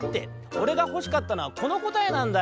おれがほしかったのはこのこたえなんだよ。